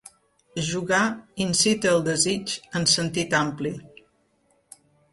Jugar incita el desig en sentit ampli.